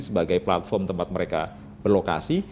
sebagai platform tempat mereka berlokasi